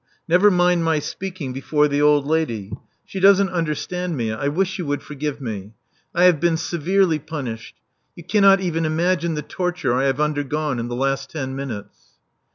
Never mind my speaking before the old lady: she doesn't understand Love Among the Artists 355 me. I wish you would forgive me. I have been severely punished. You cannot even imagine th^ torture I have undergone in the last ten minutes."